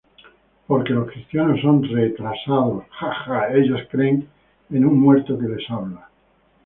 Porque los cristianos son re-tra-sa-dos, Ha-ha!, Ellos creen en un muerto que les habla!.